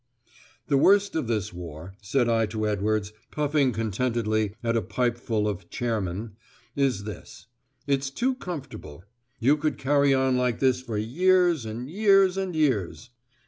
"The worst of this war," said I to Edwards, puffing contentedly at a pipeful of Chairman, "is this: it's too comfortable. You could carry on like this for years, and years, and years."